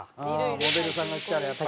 モデルさんが着たらやっぱり。